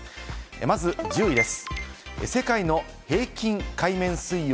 まず１０位です。